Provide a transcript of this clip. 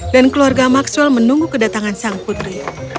dan keluarga maxwell menunggu kedatangan sang putri